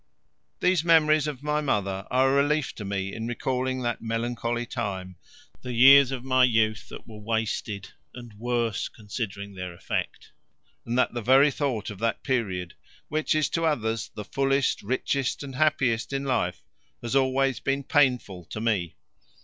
These memories of my mother are a relief to me in recalling that melancholy time, the years of my youth that were wasted and worse, considering their effect and that the very thought of that period, which is to others the fullest, richest, and happiest in life, has always been painful to me.